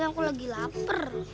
lagian aku lagi lapar